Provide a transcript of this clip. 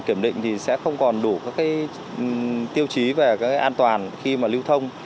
kiểm định thì sẽ không còn đủ các tiêu chí về an toàn khi mà lưu thông